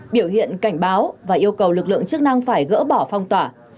biểu hiện cảnh báo và yêu cầu lực lượng chức năng phải gỡ bỏ phong tỏa